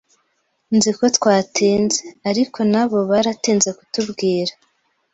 Nzi ko twatinze, ariko nabo baratinze kutubwira